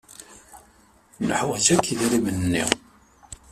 Neḥwaj akk idrimen-nni.